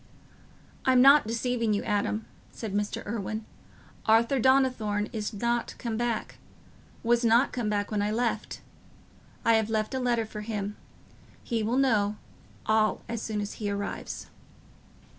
"I'm not deceiving you, Adam," said Mr. Irwine. "Arthur Donnithorne is not come back—was not come back when I left. I have left a letter for him: he will know all as soon as he arrives."